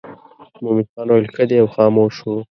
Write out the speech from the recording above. مومن خان ویل ښه دی او خاموش شو.